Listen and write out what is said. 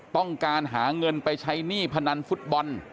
ต้องการหาเงินไปใช้หนี้พนันฟุตบอล